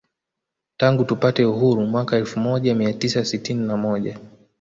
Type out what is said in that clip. Tangu tupate uhuru mwaka elfu moja mia tisa sitini na moja